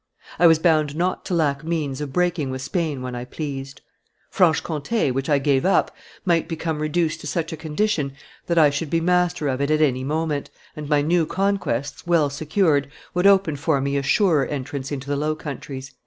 I was bound not to lack means of breaking with Spain when I pleased; Franche Comte, which I gave up, might become reduced to such a condition that I should be master of it at any moment, and my new conquests, well secured, would open for me a surer entrance into the Low Countries."